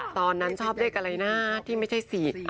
ตอนนั้นชอบเลขอะไรนะที่ไม่ใช่๔๘